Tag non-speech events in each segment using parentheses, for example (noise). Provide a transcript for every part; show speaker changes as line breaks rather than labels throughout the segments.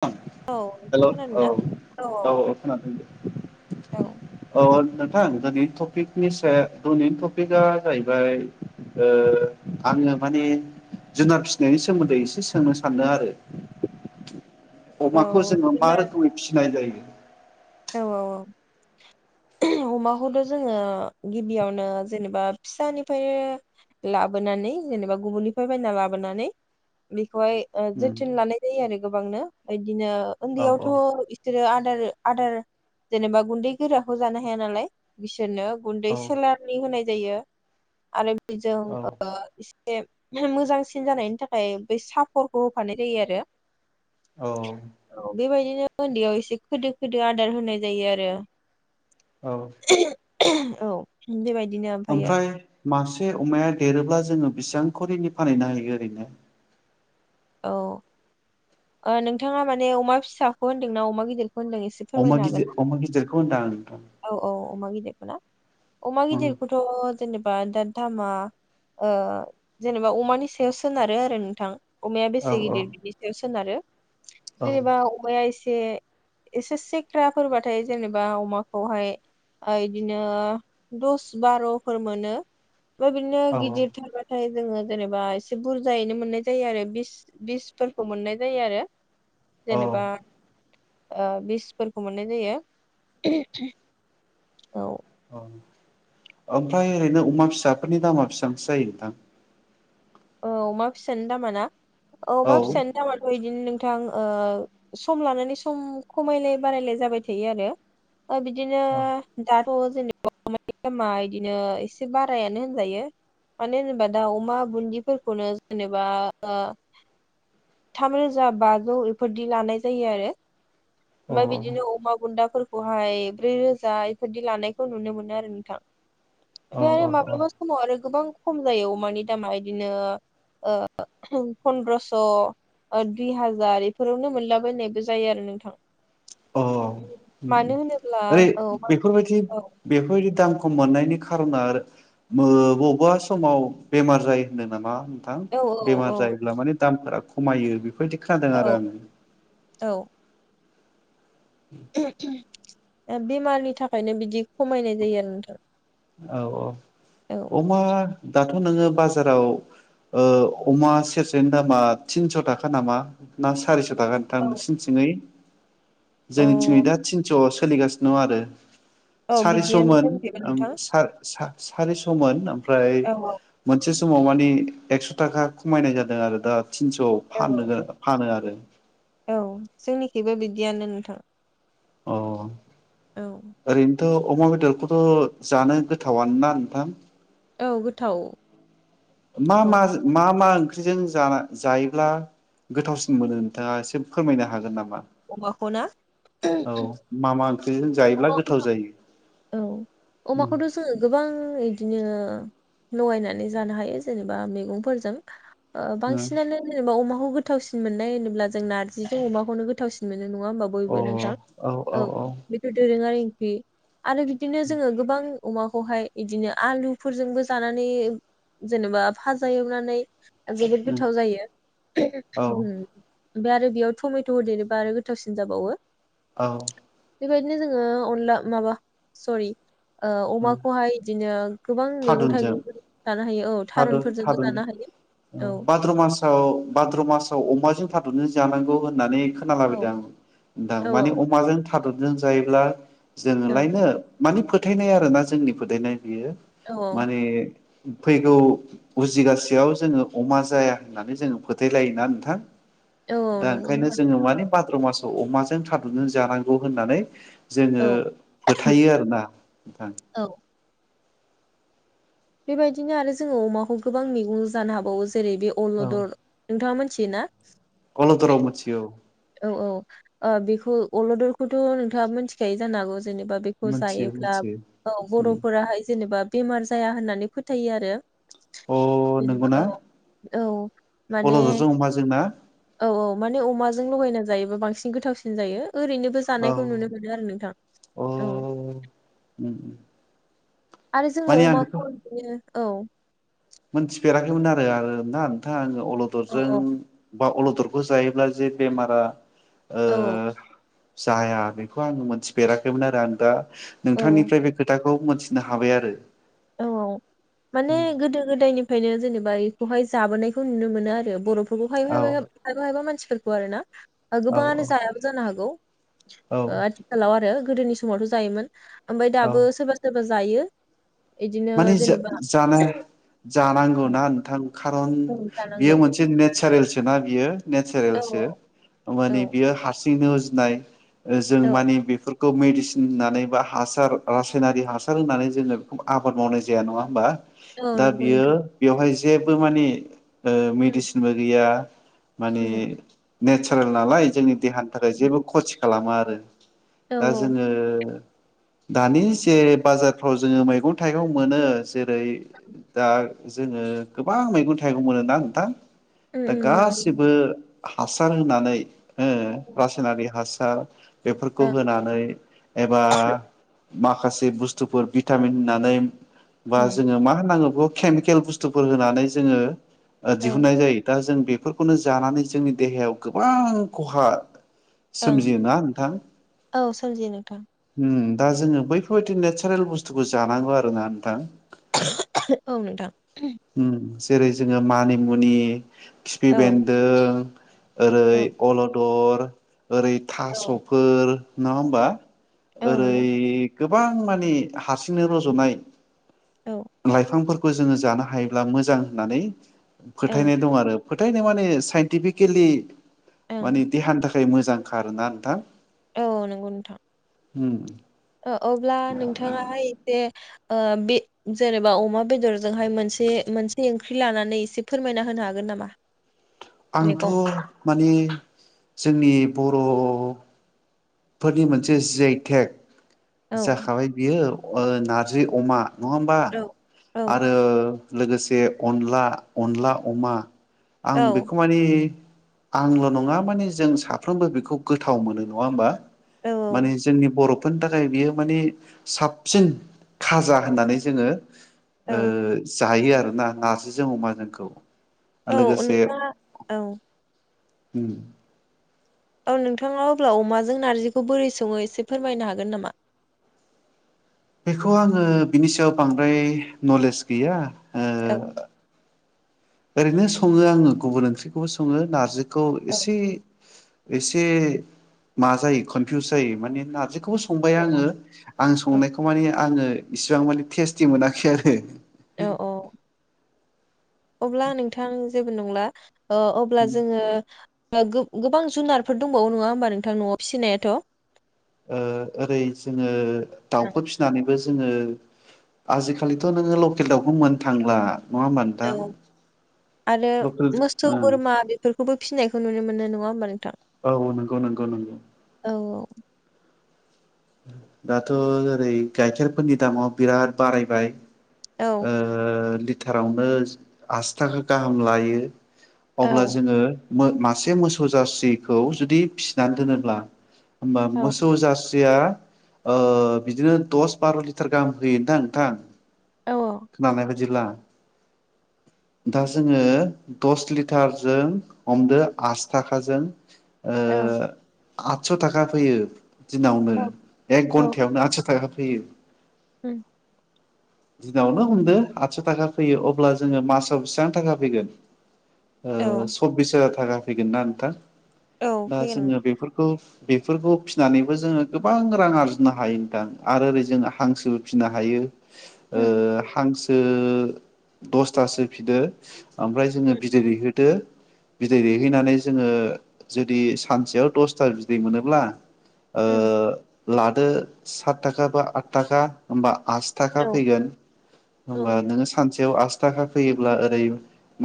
थां
औ नोंथां
हेलौ
खोनादों ना?
औ औ औ खोनादों दे
औ
ओ नोंथां दिनैनि टपिकनि सा दिनैनि टपिकआ जाहैबाय ओ आंङो माने जुनार फिसिनायनि सोमोन्दै एसे सोंनो सानदों आरो
औ
अमाखौ जोंङो मा
जुनार
रोखोमै फिनाय जायो
औ औ (unintelligible) अमाखौथ' जोङो गिबियावनो जेनेबा फिसानिफायनो लाबोनानै जेनेबा गुबुननिफाय बायना लाबोनानै खौहाय ओ जोथोन लानाय जायो आरो गोबांनो दिनो
औ
उन्दैयावथ' बिसोरो आ (unintelligible) आदार जेनेबा गुन्दै गोराखौ जानो हाया नालाय बिस नो गुन्दै
औ
सेलारनि होनाय जायो आरो जों
औ
ओ इस बे मोजांसिन जानायनि थाखाय बेै सापरखौ होफानाय जायो आरो
औ
औ बेबायदिनो उन्दैयाव एसे खोदो होदो आदार होनाय जायो आरो
औ
(unintelligible) औ बेबायदि दिनो ओमफायो
ओमफ्राय मासे अमाया देरोब्ला जोङो बिसांखरिनि फानहैनो हायो ओरैनो?
औ ओ नोंथाङा माने अमा फिसाखौ होनदों नि अमा गिदिर?
अमा गिजि अमा गिदिरखौ होनदां
औ औ अमा गिदिरखौ ना? अ मा गिदिर खौथ' जेनेबा दा दामा ओ जेनेबा अमानि सायाव सोनारो आरो नोंथां अमाया बेसे
औ
गिदिर बिनि सायाव सोनारो
औ
बेबा अमाया इस एसे एसे सेख्राफोरबाथाय जेनेबा अमाखौहाय ओ इदिनो दस बार'फोर मोनो बो बिनो
औ
गिदिर थार बाथाय जोङो जेनेबा एसे बुरजायैनो मोननाय जायो आरो बिस बिसफोरखौ मोननाय जायो आरो
औ
जेनेबा बिसफोरखौ मोननाय जायो (unintelligible) औ
औ ओमफ्राय ओरैनो अमा फिसाफोरनि दामा बेसेबांसो जायो नोंथां?
औ अमा फिसानो दामा ना? अमा
औ
फिसा नि दामाथ' बिदिनो नों थां ओ सम लानानै सम खमायलाय बारायलाय जाबाय थायो आरो ओ बिदिनो
औ
दा थ जेनेबा अमानि दामा इदिनो एसे बारायानो होनजायो मानो होनेबा दा अमा बुन्दि फोरखौनो जेनेबा ओ थामरोजा बाजौ बेफोरदि लानाय जायो आरो ओफाय बिदिनो अमा बुन्दाफोर अ हाय ब्रै रोजा इफायदि लानायखौ नुनो मोनो आरो नोंथां
औ औ
ओमफाय माब्लाबा समाव आरो गोबां खम जायो अमानि दामा बिदिनो ओ पनन्द्रस' दुइ हाजार बेफोरावनो मोनलाबायनायबो जायो आरो नोंथां
अ
मानो होनोब्ला
ओरै
औ औ
बेफोरबायदि-बेफोरबायदि दाम खम मोननायनि खारना ओ बबा समाव बेमार जायो होनदों नामा नोंथां
औ
बेमार
औ
जायोब्ला माने नोंथां दामफोरा खमायो बे बायदि खोदों आरो
औ
आङो
औ
(inaudible)
ओ बेमारनि थाखायनो बिदि खमायनाय जायो आरो नोंथां
औ औ
औ
अमा दाथ' नोङो बाजाराव ओ अमा सेरसेनि दामा थिनस' थाखा नामा ना सारिस' थाख नोंथां
औ
नोंसिनिथिङै
औ
जोंनिथिंयै दा थिनस' सोलिगासिनों आरो
औ बिदियानो
सारिस'मोन
जोंनिखैबो
ओम
नोंथां
सा सा सारिस'मोन ओम फ्राय
औ
मोनसे समाव मानि एक्स' थाखा खमायनाय जादों आरो दा तिनस'
औ
फानोगो फानो आरो
औ जोंनिखिबो बिदियानो नोंथां
अ
औ
थ अमा बेदरखौथ' जानो गोथावान ना नोंथां
औ गोथाव
मा
औ
मा मा मा ओंख्रिजों जाना जायोब्ला गोथावसिन मोनो नोंथाङा एसे फोरमायनो हागोन नामा
अमाखौ ना
औ मा मा ओंख्रिजों जायोब्ला गोथाव
अमाखौथ'
जायो
औ अमाखौथ' जोङो गोबां इदिनो लगायनानै जानो हायो जेनेबा मैगंफोरजों ओ
अ
बांसिनानो जेनेबा अमा खौ गोथावसिन मोननाय होनोब्ला जों नारजिजों अमाखौनो गोथावसिन मो नो नङा होमबा
औ
बयबो नोंथां औ दोरोङारि ओंख्रि आरो बिदिनो जोङो गोबां अमाखौहाय गदिनो आलुफोरजोंबो जानानै जेनेबा फाजा एवनानै जोबोद गोथाव जायो
औ
उम ओमफ्राय आरो बेयाव थमेट होदेरोबा आरो गोथावसिन जाबावो।
औ
बेबायदिनो जोङो अनला माबा सरि ओ अमाखौहाय बिदिनो गोबां मैगं
थारुनजों
थाइगंफोर जानो हायो औ
थारुन
थारुनफोरजोंबो
थारुन
जानो हायो
ओ
औ
भाद्र मासाव भाद्र' मासाव अमाजों था जों जानांगौ होननानै
औ
खोनालाबायदों आं दा
औ
माने अमाजों (unintelligible) दरजों जायोब्ला
औ
जोङोलायनो मानि फोथायनाय आरो ना जोंनि फोथायनाय बेयो
औ
माने फैगौ उजिगासेयाव जोङो अमा जाया होननानै जोङो फोथायलायोना नोंथां।
औ
दा
नंगौ
ओंखायनो
होनबा
जोङो
नोंथां
माने भाद्र मासाव औ अमाजों थादुंजों जानांगौ होननानै जोङो
औ
फोथायो आरोना नोंथां
औ बेबायदिनो आरो जोङो अमाखौ गोबां मैगं जानो हाबावो जों जेरै बे अलदर नोंथाङा मिथियो ना?
अलदर मोनथियो औ
औ औ ओ बेखौ अलदरखौथ, नोंथाङा मिथिखायो जानो हागौ जेनेबा बेखौ
मिथियो
जायोब्ला
मिथियो
औ बरफोराहाय जेनेबा बेमार जाया होननानै फोथायो आरो।
अ
जेनेबा
नंगौना?
औ औ माने
अलददजों अमाजों ना
औ औ माने अमा जों लगायना जायोबा बांसिन गोथावसिन जायो‌। ओरैनोबो
औ
जानायखौ नुनो मोनो आरो नोंथां
अ
औ
उम
आरो जोङो
माने आं बेखौ
अमाखौ बिदिनो औ
मोनथिफेराखैमोन आरो आरो ना नोंथाङा आं
औ
अलदरजों
औ
बा अलदर खौ जायोब्ला जे बेमारा ओ
औ
जाया बेखौ आङो मोनथिफेराखैमोन आरो आं दा
औ
नोंथांनिफ्राय बे खोथाखौ मोनथिनो हाबाय आरो
औ औ माने गोदो गोदायनि फायनो जेनेबा बेखौहाय जाबोनायखौ नुनो मोनो आरो बर'फोरखौ (unintelligible)
औ
खायफा खायफा मानसि फोरखौ आरो ना। दा
औ
गोबाङानो जायाबो जानो हागौ
औ
ओ आथिखालाव आरो गोदोनि समावथ' जायोमोन ओमफ्राय
औ
दाबो सोरबा सोरबा जायो इदिनो
माने
जेनेबा
जा-जाना जानांगौना नोंथां? खारन
औ
बेयो
जानांगौ
मोनसे नेचारेलसो सोना बियो
औ
नेचारेलसो
औ
माने बियो हारसि सिंनो उजिनाय जों
औ
माने बेफोर खौ मेडिसिन होननानै बा हासार रासायनारि हासार होननानै जोङो बेखौ आबाद मावनाय जाया नङा होमबा?
औ
दा
नंगौ
बियो
नोंथां
बेवहाय जेबो माने ओ
उम
मेडिसिनबो गैया माने
उम
नेचारेल नालाय जोंनि देहानि थाखाय
उम।
जेबो खथि खालामा आरो
औ
दा जोङो दानि जे बाजारफ्राव जोङो मैगं थाइगं मोनो जेरै दा जोङो गोबां मैगं थाइगं मोनोना नोंथां?
उम
दा
उम मोनो नोंथां
गसिबो हासार होनानै ओ रासायनारि हास सार बेफोरखौ
ओं
होनानै एबा माखासे बुस्थुफोर भिटामिन होनानै बा
उम
जोङो मा होनांगौ बेखौ केमिकेल बुस्थुफोर होनानै जोङो ओ
औ
दिहुननाय जायो दा जों बेफोरखौनो जानानै जोंनि देहायाव गोबां खहा
ओं
सोमजियोना नोंथां?
औ सोमजियो नोंथां
ओम। दा जोङो बैफोरबायदि नेदचारेल बुस्थुखौ जानांगौ आरो ना नोंथां।
औ नोंथां।
उम जेरै जोङो मानिमुनि खिफि
औ
बेन्दों ओरै
औ
अल'दर बा ओरै
औ
थास'फोर नङा होम्बा?
औ
ओरै
नंगौ
गो बां माने हासा जोंनो रज'नाय
औ ओं
लाइफां फोर खौ जोङो जानो हायोब्ला मोजां होननानै फोथायनाय दं आरो। फोथायनाय माने साइन्टिफिकेलि
ओं
मानेे देहानि था खाय मोजांखा आरोना नोंथां।
औ नंगौ नोंथां।
होम।
ओ अब्ला नोंथाङा एसे ओ बे जेरैबा अमा बेदरजोंहाय मोनसे मोनसे ओंख्रि लानानै एसे फोरमायना होनो हागोन नामा?
आंथ'
मैगं
माने जोंनि बर' फोरनि मोनसे
औ
(unintelligible) जाखाबाय बियो नारजि अमा नङा होमबा
औ औ
आरो लोगोसे अनला अनला अमा आं
औ
बेखौ मानि आंल' नङा माने जों साफ्रोमबो बेखौ गोथाव मोनो नङा होमबा। माने जोंनि बर' बेफोरनि थाखाय बियो माने साबसिन खाजा होननानै जोङो
औ
ओ जायो आर नारजिजों अमाजोंखौ
औ नोंथाङा औ
ओम
औ नोंथाङा अब्ला अमाजों नारजिखौ बोरै सङो एसे फोरमायनो हागोन नामा?
बेखौ आङो बिनि सायाव बांद्राय नलेज गैया।
औ
ओ ओरैनो सङो आङो गुबुन ओंख्रिखौबो सङो नारजि खौ
औ
इसे एसे मा जायो कनफिउस जायो माने नारजि बेखौबो संबाय
औ
आङो आंनि
औ
संनायखौ माने आङो इसिबां माने टेस्टि मोनाखै आरो।
औ
(unintelligible)
औ अब्ला नोंथां जेबो नंला अब्ला जोङो गोबां जुनारफोर दंबावो नङा होमबा नोंथां न'आव फिसिनायाथ'
ओरै जोङो दाउफोर फिसिनानैबो जोङो आजिखालिथ' नोङो लकेल दाउखौ मोननो थांब्ला
औ आरो
लकेल
मोसौ बोरमा बेफोरखौबो फिसिनायखौ नुनो मोनो नङा होमबा नों
औ नंगौ नंगौ नंगौ
औ
दाथ' ओरै गाइखेरफोरनि दामाव बिराद बारायबाय
औ
ओ लिटारावनो आसि थाखा गाहाम लायो।
औ
अब्ला जोङो मो मासे मोसौ जासिखौ जुदि फिसिनानै दोनोब्ला होमबा
औ
मोसौ जास सिया ओ बिदिनो दस बार' लिटार गाहाम होयो नोंथां नोंथां।
औ
खोनानाय बा दिब्ला दा जोङो दस लिटारजों हमदो आसि थाखाजों
औ
आठस' थाखा फैयो दिनावनो
औ
एक
औ
घन्टायावनो आदस' थाखा थयो।
उम
दिनावनो हमदो आदस' थाखा फैयो अब्ला जोङो मासाव बेसिबां थाखा फैगोन?
औ
ओ सबबिसहाजार थाखा फैगोन ना नोंथा?
औ
दा
फैगोन
जोङो
नोंथां।
बेफोरखौ बेफोरखौ फिनानैबो जोङो गोबां रां आरजिनो हायो नोंथां आरो ओरै जों हांसोबो फिसिनो हायो। ओ
उम
हांस सो दसथासो फिदो ओमफ्राय जोङो
उम
बिदै दैहोदो बिदै दैहैनानै जोङो जुदि सानसेयाव दसथा बिदै मोनोब्ला ओ
उम
लादो सात थाखा बा आथ थाखा हमबा आसिथाखा
औ
फैगोन
औ
हमबा नोङो सानसे याव आसि थाखा फैयोब्ला ओरै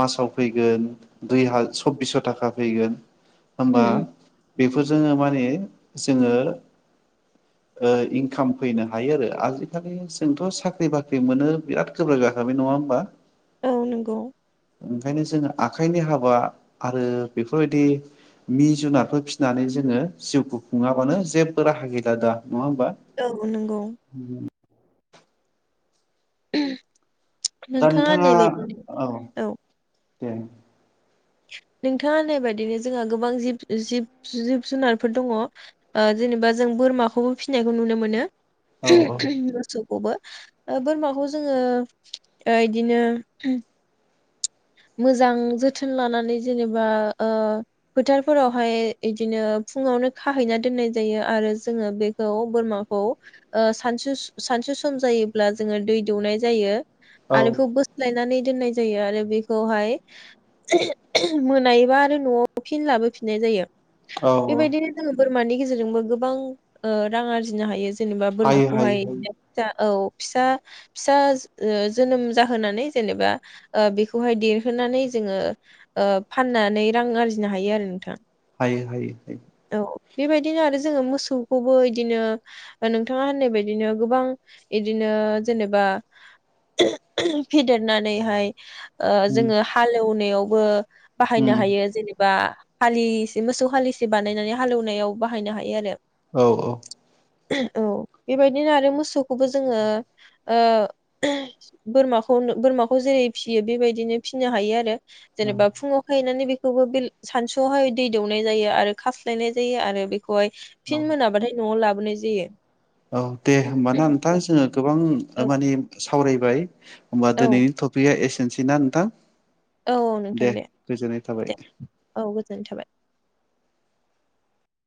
मासाव फैगोन दुइ हा सब्बिस्स' थाखा फैगोन। होमबा
उम उम
बेफोरजोंनो माने जोङो ओ इनकाम फैनो हायो आरो आजिखालि जोंथ' साख ख्रि बाख्रि मोनो बिराद गोब्राब जाखाबाय नङा होमबा।
औ नंगौ
ओंखायनो जोङो आखाइनि हाबा आरो बेफोरबायदि मि जुनारफोर फिसिनानै जोङो जिउखौ खुङाबानो जेबो राहा गैला दा। नङा होमबा?
औ नंगौ
दा नोंथाङा
होननाय बायदिनो
औ दे
नोंथाङा ओननाय बादिनो जोंहा गोबां जिब जिब जिब जुनारफोर दङ' ओ जेनेबा जों बोरमाखौबो फिसिनायखौ नुनो मोनो।
औ औ
(unintelligible) मोसौ खौ बो ओ बोरमाखौ जोङो ओ इदिनो मोजां जोथोन लानानै जेनेबा ओ फोथारफोरावहाय इदिनो फुङावनो खाहैना दोननाय जायो आरो जोङो बेखौ बोरमाखौ ओ सानसु सानसु सम जायोब्ला जोङो दै दौनाय जायो।
औ
आरो भुख बोसलायनानै दोननाय जायो आरो बे खौहाय (unintelligible) मोनायोबा आरो न'आव फिन लाबोफिननाय जायो।
औ
बेबायदिनो जोङो। बोरमानि गेजेरजोंबो गोबां ओ रां आरजिनो हायो जेनेबा
हायो हायो
बोरमाखौहाय बे फिसा औ फिसा फिसा ओ जोनोम जाहोनानै जेनेबा ओ बेख बखौहाय देरहोनानै जोङो ओ फाननानै रां आरजिनो हायो आरो नोंथां।
हायो हायो हायो।
औ बेबायदिनो आरो जोङो मोसौखौबो इदिनो नोंथाङा होननाय बायदिनो गोबां इदिनो जेनेबा (unintelligible) फेदेरनानैहाय ओ
उम
जोङो हालेवनायाव बो
उम
बाहायनो हायो जेनेबा हालिसे मोसौ हालिसे बानायनानै हालेवनायाव बाहायनो हायो आरो।
औ औ।
(unintelligible) औ बेबायदिनो आरो मोसौखौबो जोङो ओ (unintelligible) बोरमाखौ नो बोरमाखौ जेरै फिसियो बेबायदिनो फिनो हायो आरो। जेनेबा फुङाव खायनानै बे खौबो बिल सानसुआवहाय दै दौनाय जायो आरो खास्लायनाय जायो आरो बे खौहाय
औ औ
फिन मोनाबाथाय न'आव लाबोनाय जा जायो
औ दे होमबाना नोंथां
औ
जोङो गोबां ओ
औ
मानि सावरायबाय ओमबा
औ
दोनै थपिया एसे दोनसैना नोंथां?
औ औ
दे गोजोननाय थाबाय।
गोजोनथाबाय।